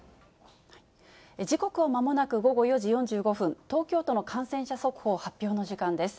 時刻はまもなく午後４時４５分、東京都の感染者速報発表の時間です。